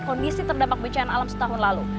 kondisi terdampak bencana alam setahun lalu